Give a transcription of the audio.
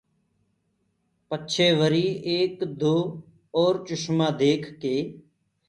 پچهي وري ايڪ دو اور چشمآ ديک ڪي۔